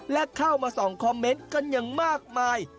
และเข้ามาส่องคอมเมนต์กันอย่างมากมาย